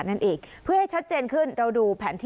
โดยการติดต่อไปก็จะเกิดขึ้นการติดต่อไป